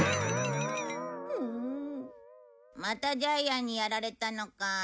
またジャイアンにやられたのか。